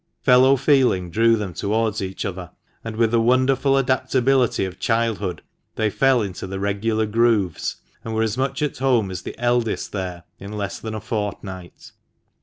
Fellow feeling drew them towards each other, and with the wonderful adaptability of childhood, they fell into the regular grooves, and were as much at home as the eldest there in less than a fortnight.